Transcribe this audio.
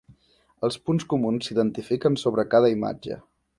Els punts comuns s'identifiquen sobre cada imatge.